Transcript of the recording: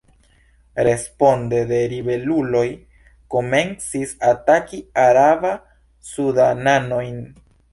Responde la ribeluloj komencis ataki araba-sudananojn.